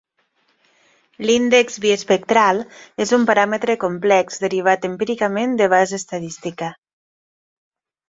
L'índex biespectral és un paràmetre complex derivat empíricament de base estadística.